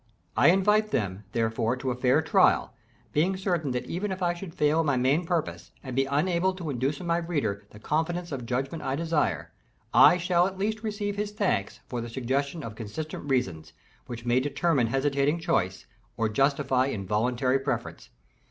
I invite them, therefore, to a fair trial, being certain that even if I should fail in my main purpose, and be unable to induce in my reader the confidence of judgment I desire, I shall at least receive his thanks for the suggestion of consistent reasons, which may determine hesitating choice, or justify involuntary preference.